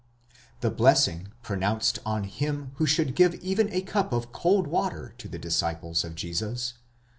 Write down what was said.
The blessing pronounced on him who should give even a cup of cold water to the disciples of Jesus (v.